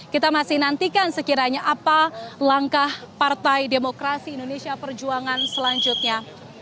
kita masih nantikan sekiranya apa langkah partai demokrasi indonesia perjuangan selanjutnya